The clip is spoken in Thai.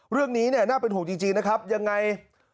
เรื่องนี้เนี่ยน่าเป็นห่วงจริงนะครับยังไง